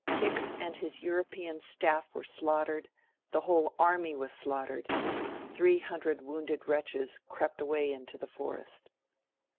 Hicks and his European staff were slaughtered; the whole army was slaughtered; 300 wounded wretches crept away into the forest.